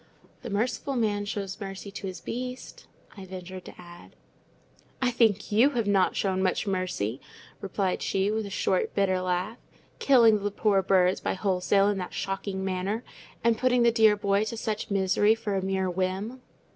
"'The merciful man shows mercy to his beast,'" I ventured to add. "I think you have not shown much mercy," replied she, with a short, bitter laugh; "killing the poor birds by wholesale in that shocking manner, and putting the dear boy to such misery for a mere whim."